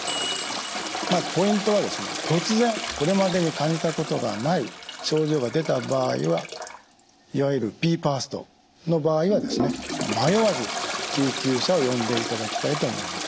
ポイントは突然これまでに感じたことがない症状が出た場合はいわゆるＢＥＦＡＳＴの場合は迷わず救急車を呼んでいただきたいと思います。